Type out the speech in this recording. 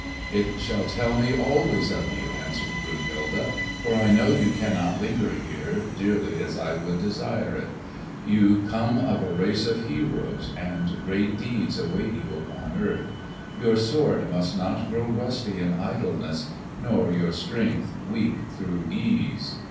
"It shall tell me always of you," answered Brunhilde. "For I know you cannot linger here, dearly as I should desire it. You come of a race of heroes, and great deeds await you upon earth. Your sword must not grow rusty in idleness, nor your strength weak through ease."